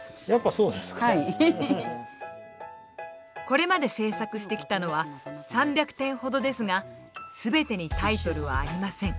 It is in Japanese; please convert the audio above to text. これまで制作してきたのは３００点ほどですが全てにタイトルはありません。